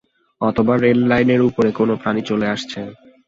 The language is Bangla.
অথবা রেললাইনের উপরে কোন প্রাণী চলে আসছে।